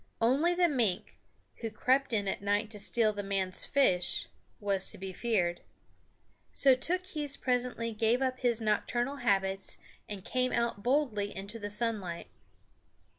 Only the mink, who crept in at night to steal the man's fish, was to be feared. So Tookhees presently gave up his nocturnal habits and came out boldly into the sunlight.